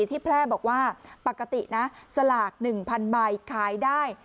ที่แพร่บอกว่าปกตินะสลากหนึ่งพันใบขายได้